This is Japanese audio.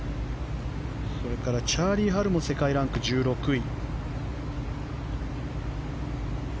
それからチャーリー・ハルも世界ランク１６位。